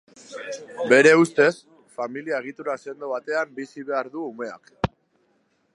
Bere ustez, familia-egitura sendo batean bizi behar du umeak.